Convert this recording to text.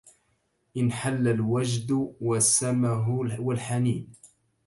أنحل الوجد جسمه والحنين